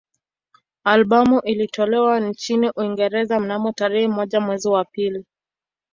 Albamu ilitolewa nchini Uingereza mnamo tarehe moja mwezi wa pili